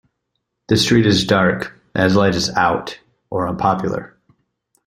The street is dark, as light is "out", or unpopular.